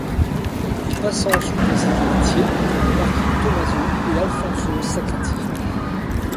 Il passa ensuite à ses héritiers, le marquis Tomaso et Alfonso Sacrati.